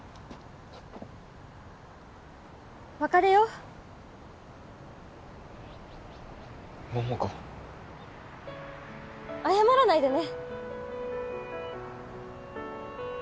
別れよう桃子謝らないでね